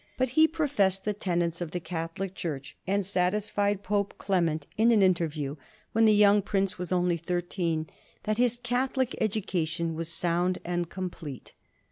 But he professed the tenets of the Catholic Church, and satisfied Pope Clement, in an interview when the young prince was only thirteen, that his Catholic education was sound and complete.